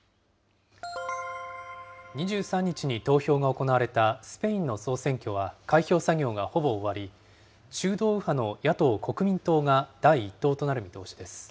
２３日に投票が行われたスペインの総選挙は、開票作業がほぼ終わり、中道右派の野党・国民党が第１党となる見通しです。